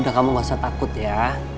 udah kamu gak usah takut ya